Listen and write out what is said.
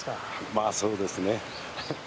まあそうですね。